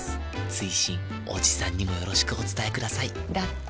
追伸おじさんにもよろしくお伝えくださいだって。